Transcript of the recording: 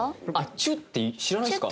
チュッて知らないですか？